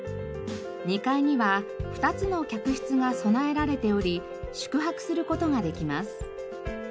２階には２つの客室が備えられており宿泊する事ができます。